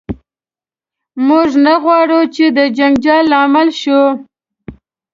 موږ نه غواړو چې د جنجال لامل شو.